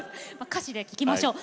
歌詞で聴きましょう。